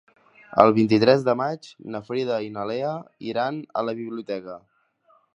El vint-i-tres de maig na Frida i na Lea iran a la biblioteca.